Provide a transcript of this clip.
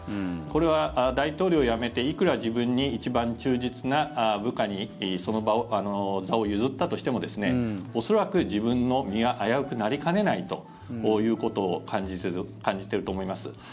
これは大統領を辞めていくら自分に忠実な部下にその座を譲ったとしても恐らく自分の身が危うくなりかねないということを感じてると思います。